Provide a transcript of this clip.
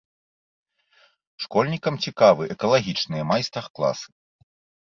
Школьнікам цікавы экалагічныя майстар-класы.